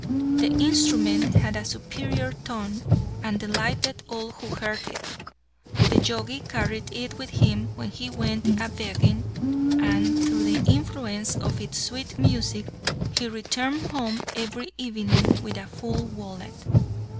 The instrument had a superior tone and delighted all who heard it. The Jogi carried it with him when he went a begging, and through the influence of its sweet music he returned home every evening with a full wallet.